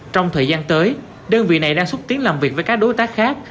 trong thời gian tới đơn vị này đang xúc tiến làm việc với các đối tác khác